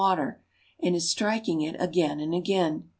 water, and is striking it again and again.